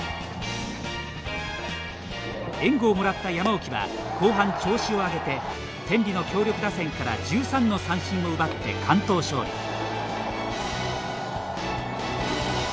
援護をもらった山沖は後半調子を上げて天理の強力打線から１３の三振を奪って完投勝利。